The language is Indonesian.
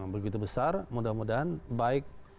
begitu besar mudah mudahan baik